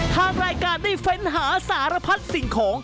ทางรายการได้เฟ้นหาสารพัดสิ่งของ